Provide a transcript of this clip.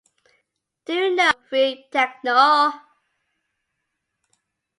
Do you know "Free Tekno"?